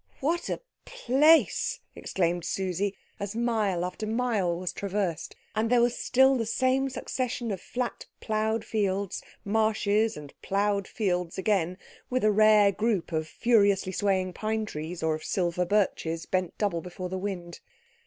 "What a place!" exclaimed Susie, as mile after mile was traversed, and there was still the same succession of flat ploughed fields, marshes, and ploughed fields again, with a rare group of furiously swaying pine trees or of silver birches bent double before the wind.